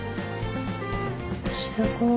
すごい。